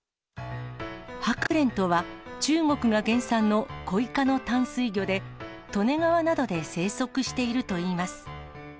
ハクレンとは、中国が原産のコイ科の淡水魚で、利根川などで生息しているといいます。